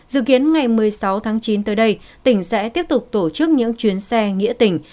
dự kiến ngày một mươi sáu tháng chín tới đây tỉnh sẽ tiếp tục tổ chức những chuyến xe nghĩa tỉnh